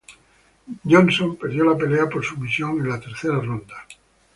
Johnson perdió la pelea por sumisión en la tercera ronda.